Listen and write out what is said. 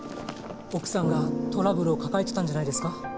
奥さんがトラブルを抱えてたんじゃないですか？